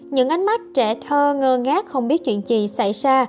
những ánh mắt trẻ thơ ngơ ngác không biết chuyện gì xảy ra